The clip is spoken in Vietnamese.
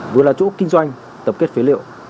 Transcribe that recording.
vừa là chỗ kinh doanh tập kết phế liệu